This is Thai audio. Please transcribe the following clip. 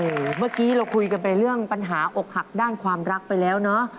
โอ้โหเมื่อกี้เราคุยกันไปเรื่องปัญหาอกหักด้านความรักไปแล้วเนอะ